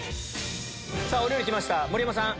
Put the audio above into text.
さぁお料理きました盛山さん。